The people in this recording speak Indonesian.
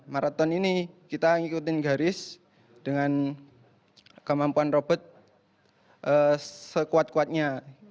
maraton ini kita ngikutin garis dengan kemampuan robot sekuat kuatnya